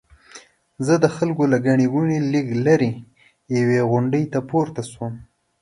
زه د خلکو له ګڼې ګوڼې لږ لرې یوې غونډۍ ته پورته شوم.